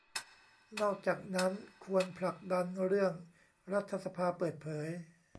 นอกจากนั้นควรผลักดันเรื่องรัฐสภาเปิดเผย